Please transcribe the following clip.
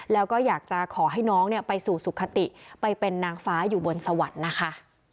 แล้วก็อยากจะขอให้น้องไปสู่สุขติไปเป็นนางฟ้าอยู่บนสวรรค์นะคะ